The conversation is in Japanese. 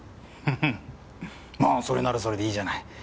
ふふまあそれならそれでいいじゃない。